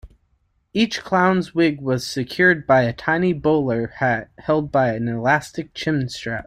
Each clown's wig was secured by a tiny bowler hat held by an elastic chin-strap.